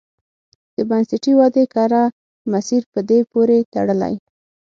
د بنسټي ودې کره مسیر په دې پورې تړلی.